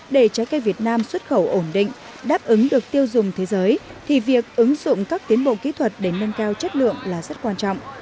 để trái cây việt nam xuất khẩu ổn định đáp ứng được tiêu dùng thế giới thì việc ứng dụng các tiến bộ kỹ thuật để nâng cao chất lượng là rất quan trọng